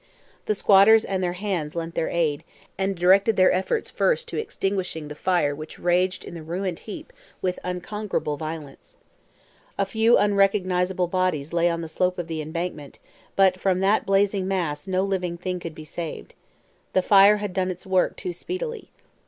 The squatters and their "hands" lent their aid, and directed their efforts first to extinguishing the fire which raged in the ruined heap with unconquerable violence. A few unrecognizable bodies lay on the slope of the embankment, but from that blazing mass no living thing could be saved. The fire had done its work too speedily.